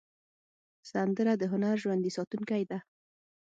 سندره د هنر ژوندي ساتونکی ده